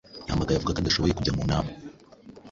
Yahamagaye avuga ko adashobora kujya mu nama.